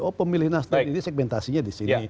oh pemilih nasdem ini segmentasinya disini